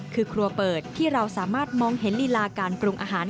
คือครัวเปิดที่เราสามารถมองเห็นลีลาการปรุงอาหาร